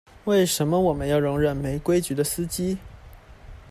為什麼我們要容忍沒規矩的司機